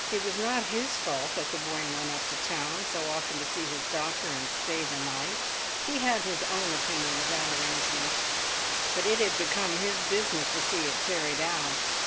It was not his fault that the boy went up to town so often to see his doctor and stay the night. He had his own opinion of that arrangement, but it had become his business to see it carried out.